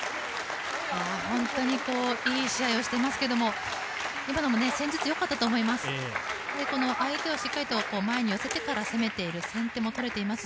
本当にいい試合をしていますが今のも戦術、良かったと思います。